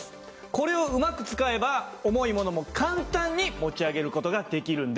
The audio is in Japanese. これをうまく使えば重いものも簡単に持ち上げる事ができるんです。